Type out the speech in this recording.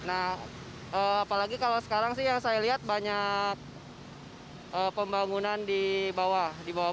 nah apalagi kalau sekarang sih yang saya lihat banyak pembangunan di bawah